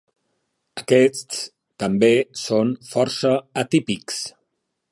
Aquests també són força atípics.